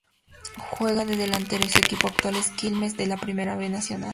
Juega de Delantero y su equipo actual es Quilmes, de la Primera B Nacional.